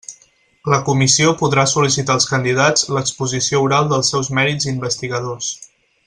La Comissió podrà sol·licitar als candidats l'exposició oral dels seus mèrits investigadors.